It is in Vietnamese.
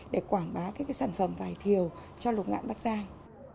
để quảng bá các sản phẩm vải thiều cho lục ngạn bắc giang